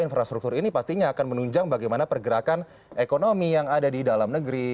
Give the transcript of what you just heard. infrastruktur ini pastinya akan menunjang bagaimana pergerakan ekonomi yang ada di dalam negeri